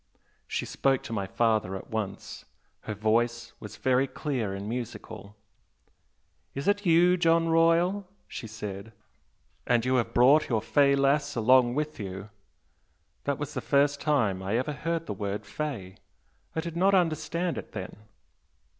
She spoke to my father at once her voice was very clear and musical. 'Is it you, John Royal?' she said 'and you have brought your fey lass along with you!' That was the first time I ever heard the word 'fey.' I did not understand it then."